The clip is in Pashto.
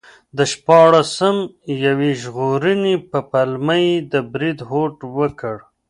د شپاړسم لویي ژغورنې په پلمه یې د برید هوډ وکړ.